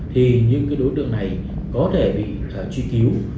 thì những đối tượng này có thể bị truy cứu